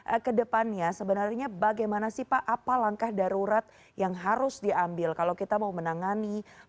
apa yang masuk dalam hal ini